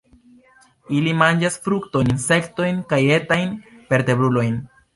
Ili manĝas fruktojn, insektojn kaj etajn vertebrulojn.